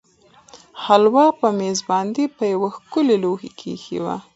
هلوا په مېز باندې په یوه ښکلي لوښي کې ایښې وه.